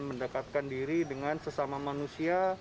mendekatkan diri dengan sesama manusia